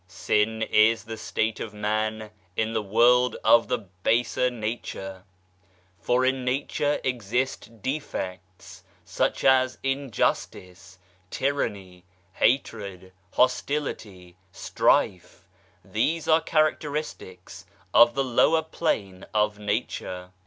Sin is the state of man in the world of the baser nature, for in nature exist defects such as injustice, tyranny, hatred, hostility, strife : these are characteristics of the lower plane of nature.